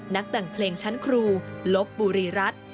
นักแต่งเพลงชั้นครูลบบุรีรัฐ